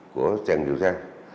của trần kiều trang